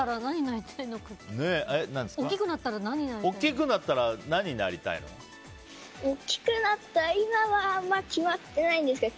大きくなったら何になりたいですか。